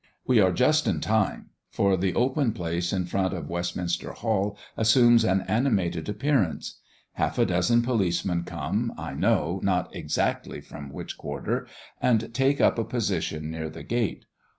We are just in time, for the open place in front of Westminster Hall assumes an animated appearance. Half a dozen policemen come, I know not exactly from which quarter, and take up a position near the gate.